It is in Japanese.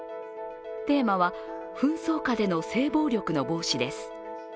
テーマは「紛争下での性暴力の防止」です。